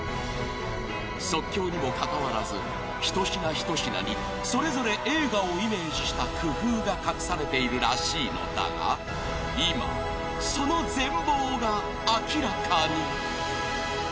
［即興にもかかわらず一品一品にそれぞれ映画をイメージした工夫が隠されているらしいのだが今その全貌が明らかに］